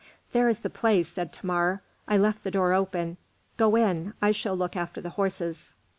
"There is the place," said Thamar; "I left the door open. Go in. I shall look after the horses."